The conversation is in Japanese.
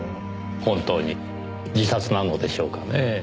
本当に自殺なのでしょうかねえ？